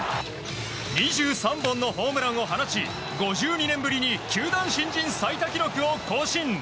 ２３本のホームランを放ち５２年ぶりに球団新人最多記録を更新。